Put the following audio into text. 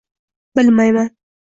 Bilmayman.